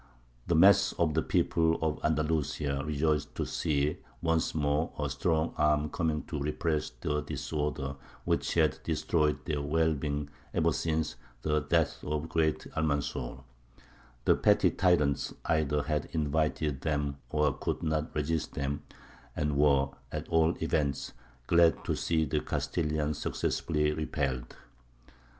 The mass of the people of Andalusia rejoiced to see once more a strong arm coming to repress the disorder which had destroyed their well being ever since the death of the great Almanzor; the petty tyrants either had invited them or could not resist them, and were, at all events, glad to see the Castilians successfully repelled.